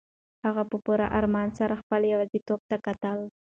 هغه په پوره ارمان سره خپله یوازیتوب ته کتل.